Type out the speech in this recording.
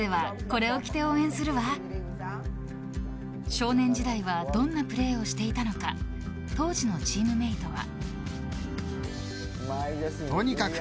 少年時代はどんなプレーをしていたのか当時のチームメイトは。